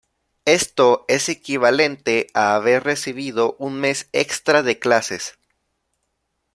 Esto es equivalente a haber recibido un mes extra de clases.